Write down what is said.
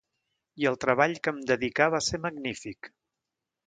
I el treball que em dedicà va ser magnífic.